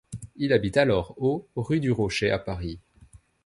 Il habite alors au rue du Rocher à Paris.